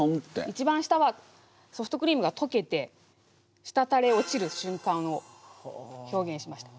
一番下はソフトクリームがとけてしたたり落ちる瞬間を表現しました。